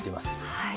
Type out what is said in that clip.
はい。